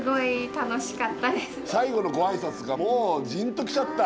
最後のご挨拶がもうジーンときちゃった。